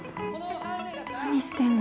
何してんの？